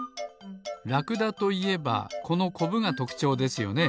ラクダといえばこのコブがとくちょうですよね。